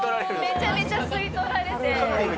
めちゃめちゃ吸い取られて。